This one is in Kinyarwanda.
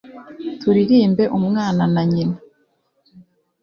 turirimbe umwana na nyina